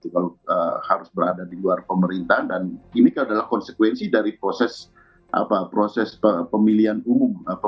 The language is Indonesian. kalau harus berada di luar pemerintahan dan ini adalah konsekuensi dari proses pemilihan umum